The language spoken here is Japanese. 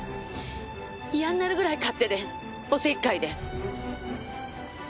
嫌になるぐらい勝手でお節介で。